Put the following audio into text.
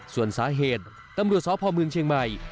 ส่วนสาเหตุตำรวจสพเมืองเชียงใหม่